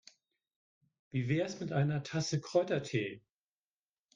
Wie wär's mit einer Tasse Kräutertee?